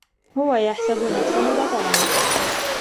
هو يَحسَبُ نفسَه بطلاً.